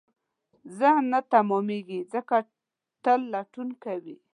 ذهن نه تمېږي، ځکه تل لټون کوي.